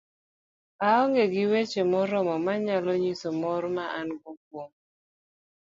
aong'e gi weche moromo manyalo nyiso mor ma an go kuom